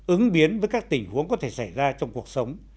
ứng biến với các tình huống có thể xảy ra trong cuộc sống